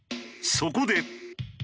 そこで。